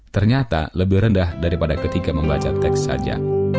ternyata lebih rendah daripada ketika membaca teks saja